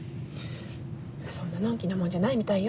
そんなのんきなもんじゃないみたいよ。